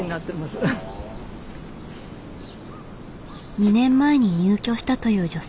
２年前に入居したという女性。